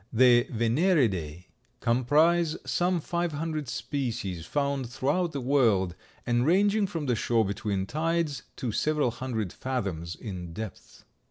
The Veneridae comprise some five hundred species, found throughout the world, and ranging from the shore between tides to several hundred fathoms in depth.